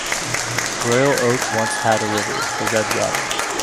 Royal Oak once had a river, the Red Run.